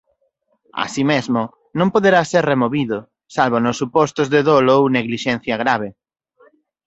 Así mesmo, non poderá ser removido, salvo nos supostos de dolo ou neglixencia grave.